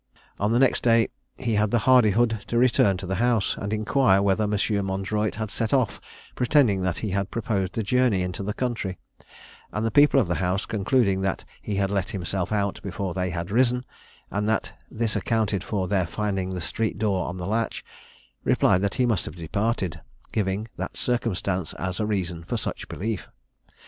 On the next day he had the hardihood to return to the house, and to inquire whether Monsieur Mondroyte had set off, pretending that he had proposed a journey into the country; and the people of the house concluding that he had let himself out before they had risen, and that this accounted for their finding the street door on the latch, replied that he must have departed, giving that circumstance as a reason for such belief.